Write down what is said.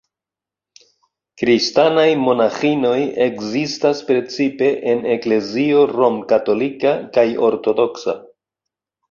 Kristanaj monaĥinoj ekzistas precipe en eklezio romkatolika kaj ortodoksa.